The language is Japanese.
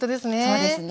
そうですね。